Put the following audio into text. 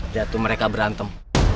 dia tuh mereka berantem